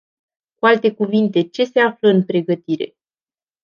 Cu alte cuvinte, ce se află în pregătire?